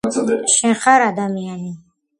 შენ ხარ ადამიანი